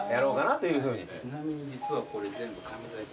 ちなみに実はこれ全部。